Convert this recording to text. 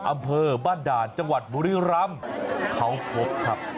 อำเภอบ้านด่านจังหวัดบุรีรำเขาพบครับ